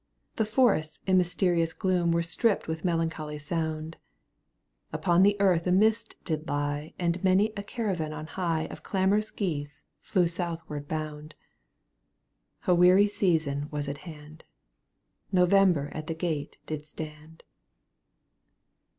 The forests in mysterious gloom Were stripped with melancholy sound, Upon the earth a mist did lie And many a caravan on high Of clamorous geese flew southward bound. A weary season was at hand — November at' the gate did stand.